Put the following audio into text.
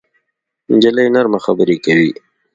نجلۍ نرمه خبرې کوي.